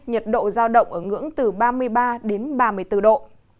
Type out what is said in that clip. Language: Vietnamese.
nhiệt độ giao động ở ngưỡng từ ba mươi ba đến ba mươi bốn độ